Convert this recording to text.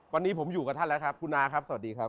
วันนี้ผมอยู่กับท่านแล้วครับคุณอาครับสวัสดีครับ